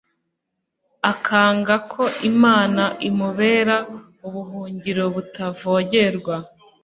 akanga ko imana imubera ubuhungiro butavogerwa